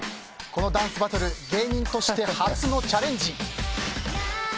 このダンスバトル芸人として初のチャレンジ。